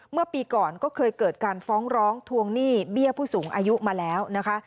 เมื่อปีก่อนก็เคยเกิดการฟ้องร้องทวงหนี้เบี้ยผู้สูงอายุมาแล้วนะคะ